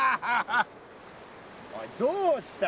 おいどうした？